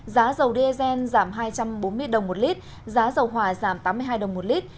giá dầu diesel giảm hai trăm bốn mươi đồng một lít giá dầu hòa giảm tám mươi hai đồng một lít